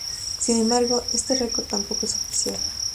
Sin embargo, este record tampoco es oficial.